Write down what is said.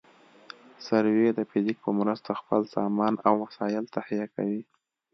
سروې د فزیک په مرسته خپل سامان او وسایل تهیه کوي